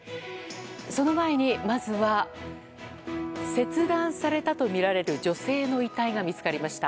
その前にまずは切断されたとみられる女性の遺体が見つかりました。